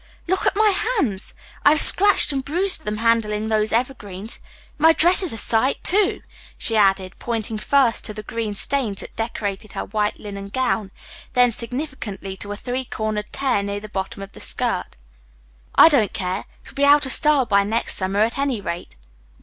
"Look at my hands! I have scratched and bruised them handling those evergreens. My dress is a sight, too," she added, pointing first to the green stains that decorated her white linen gown, then significantly to a three cornered tear near the bottom of the skirt. "I don't care. It will be out of style by next summer, at any rate."